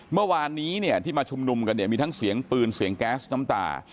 เมื่อวานนี้เนี่ยที่มาชุมนุมกันเนี่ยมีทั้งเสียงปืนเสียงแก๊สน้ำตา